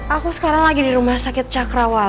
aku sekarang lagi di rumah sakit cakrawa